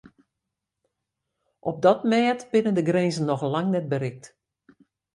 Op dat mêd binne de grinzen noch lang net berikt.